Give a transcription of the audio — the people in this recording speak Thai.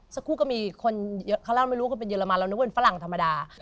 สักครู่ก็มีคนเยอะเขาเล่าไม่รู้เขาเป็นเรมันเรานึกเป็นฝรั่งธรรมดา